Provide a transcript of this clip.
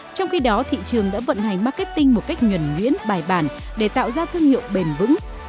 trong khi đó thị trường đã vận hành marketing một cách nhuẩn nhuyễn bài bản để tạo ra thương hiệu bền vững